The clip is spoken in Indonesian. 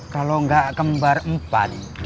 kalo gak kembar empat